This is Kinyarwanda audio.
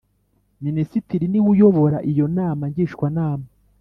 Minisitiri niwe uyobora iyo nama ngishwanama